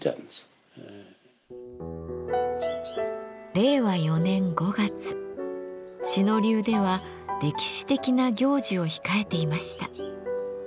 令和４年５月志野流では歴史的な行事を控えていました。